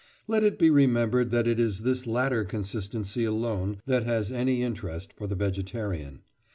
Let it be remembered that it is this latter consistency alone that has any interest for the vegetarian.